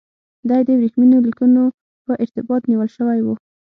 دی د ورېښمینو لیکونو په ارتباط نیول شوی و.